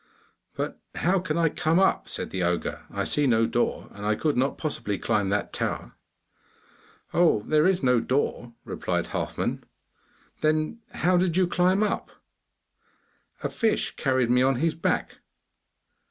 'But how can I come up?' said the ogre, 'I see no door, and I could not possibly climb that tower.' 'Oh, there is no door,' replied Halfman. 'Then how did you climb up?' 'A fish carried me on his back.